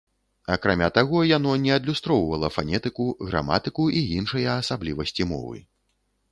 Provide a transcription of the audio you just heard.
Акрамя таго, яно не адлюстроўвала фанетыку, граматыку і іншыя асаблівасці мовы.